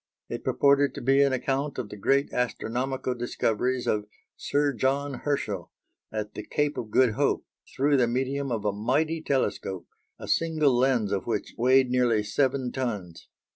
It purported to be an account of the great astronomical discoveries of Sir John Herschel at the Cape of Good Hope, through the medium of a mighty telescope, a single lens of which weighed nearly seven tons.